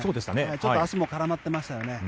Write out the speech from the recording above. ちょっと足も絡まっていましたよね。